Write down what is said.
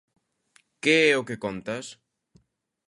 Que é o que contas?